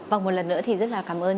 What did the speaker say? và một lần nữa thì rất là cảm ơn